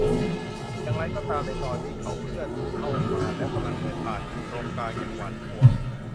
อย่างไรก็ตามในตอนนี้เขาเคลื่อนเข้ามาและกำลังเดินปาดอยู่ตรงกลางอย่างหวาดกลัว